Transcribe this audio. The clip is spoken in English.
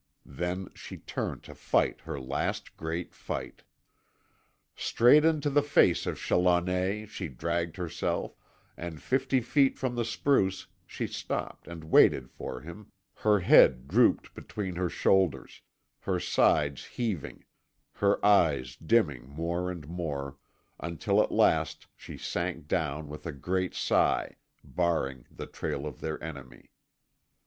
Then she turned to fight her last great fight. Straight into the face of Challoner she dragged herself, and fifty feet from the spruce she stopped and waited for him, her head drooped between her shoulders, her sides heaving, her eyes dimming more and more, until at last she sank down with a great sigh, barring the trail of their enemy.